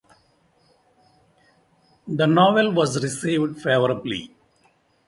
The novel was received favorably.